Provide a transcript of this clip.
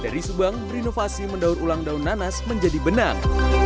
dari subang berinovasi mendaur ulang daun nanas menjadi benang